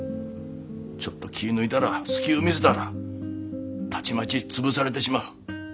ちょっと気ぃ抜いたら隙ゅう見せたらたちまち潰されてしまう。